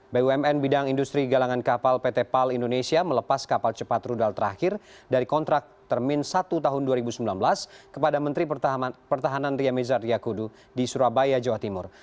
bumn bidang industri galangan kapal pt pal indonesia melepas kapal cepat rudal terakhir dari kontrak termin satu tahun dua ribu sembilan belas kepada menteri pertahanan ria mizar yakudu di surabaya jawa timur